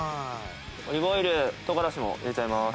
オリーブオイル唐辛子も入れちゃいます。